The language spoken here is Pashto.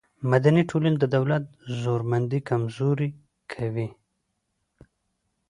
مدني ټولنې د دولت زورمندي کمزورې کوي.